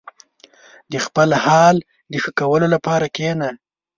• د خپل حال د ښه کولو لپاره کښېنه.